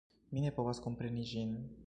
Mi ne povas kompreni ĝin!